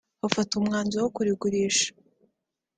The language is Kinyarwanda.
hafatwa umwanzuro wo kurigurisha